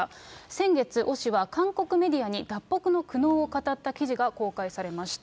先月、オ氏は、韓国メディアに、脱北の苦悩を語った記事が公開されました。